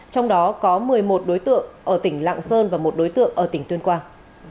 trong đó có một mươi một đối tượng ở tỉnh lạng sơn và một đối tượng ở tỉnh tuyên quang